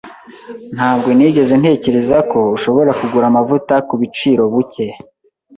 Ntabwo nigeze ntekereza ko ushobora kugura amavuta kubiciro buke.